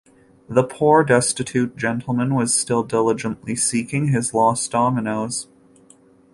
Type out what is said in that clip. The poor destitute gentleman was still diligently seeking his lost dominoes.